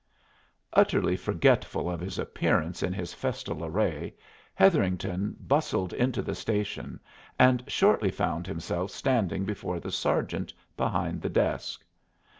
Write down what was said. Utterly forgetful of his appearance in his festal array, Hetherington bustled into the station, and shortly found himself standing before the sergeant behind the desk.